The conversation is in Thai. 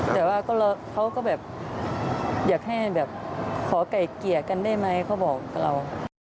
แต่ว่าเขาก็แบบอยากให้แบบขอไก่เกลี่ยกันได้ไหมเขาบอกกับเรา